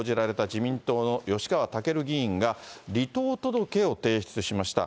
自民党の吉川赳議員が、離党届を提出しました。